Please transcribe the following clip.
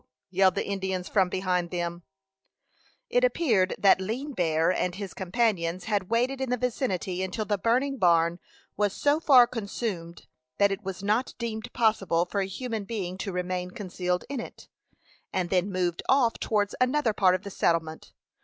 yelled the Indians from behind them. It appeared that Lean Bear and his companions had waited in the vicinity until the burning barn was so far consumed that it was not deemed possible for a human being to remain concealed in it, and then moved off towards another part of the settlement.